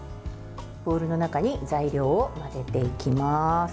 ボウルの中に材料を混ぜていきます。